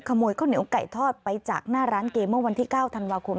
ข้าวเหนียวไก่ทอดไปจากหน้าร้านเกมเมื่อวันที่๙ธันวาคม